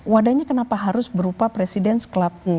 wadahnya kenapa harus berupa presiden club